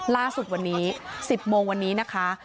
ล่าสุดวันนี้๑๐โมงวันนี้นะคะ